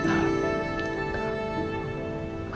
gak diik nat tahun ini